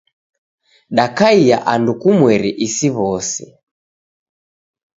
Dakaia andu kumweri isi w'ose.